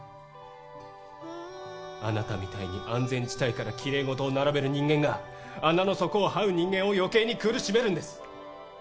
あなたみたいに安全地帯からきれい事を並べる人間が、穴の底をはう人間をよけいに苦しめるんです。